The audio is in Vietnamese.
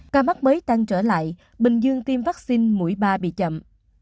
ca mắc mới tăng trở lại bình dương tiêm vaccine mũi ba bị chậm